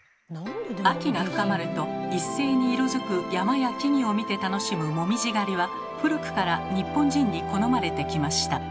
秋が深まると一斉に色づく山や木々を見て楽しむもみじ狩りは古くから日本人に好まれてきました。